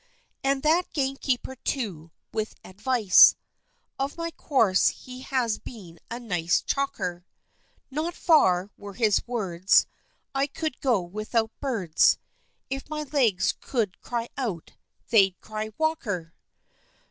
And that gamekeeper too, with advice! Of my course he has been a nice chalker, Not far, were his words, I could go without birds: If my legs could cry out, they'd cry "Walker!"